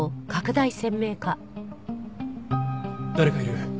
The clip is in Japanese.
誰かいる。